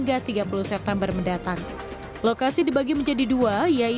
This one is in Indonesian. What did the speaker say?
terkait dengan perusahaan corfu make pact yang benar benar sesuai dengan hal itu tentu itu lagi